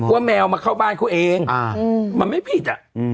แมวมาเข้าบ้านเขาเองมันไม่ผิดอ่ะ